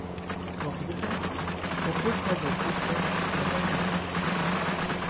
En vue de face, on contraint donc le cercle dans un carré.